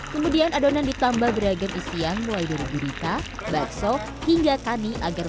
kemudian adonan ditambah beragam isi yang mulai dari burika bakso hingga kani agar